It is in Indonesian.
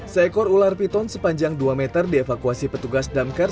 seekor ular piton sepanjang dua meter dievakuasi petugas damkar